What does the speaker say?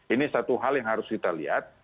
ini satu hal yang harus kita lihat